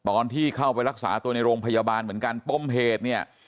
ตอนที่เข้าไปรักษาตัวในโรงพยาบาลเหมือนกันป้มเหตุเนี่ย